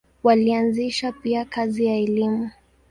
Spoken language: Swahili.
Walianzisha pia kazi ya elimu.